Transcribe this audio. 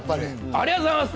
ありがとうございます！